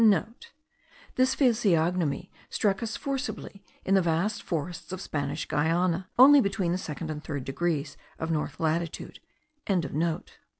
(* This physiognomy struck us forcibly, in the vast forests of Spanish Guiana, only between the second and third degrees of north latitude.)